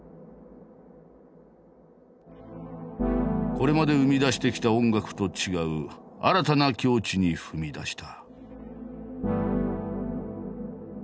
これまで生み出してきた音楽と違う新たな境地に踏み出した。